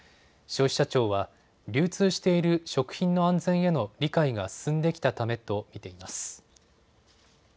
消費者庁は流通している食品の安全への理解が進んできたためと見ています。